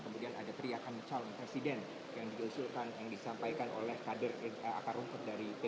kemudian ada teriakan calon presiden yang diusulkan yang disampaikan oleh kader akar rumput dari p tiga